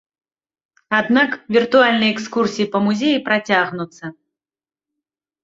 Аднак віртуальныя экскурсіі па музеі працягнуцца.